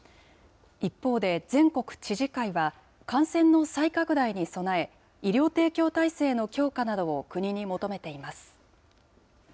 一方で全国知事会は、感染の再拡大に備え、医療提供体制の強化などを国に求めています。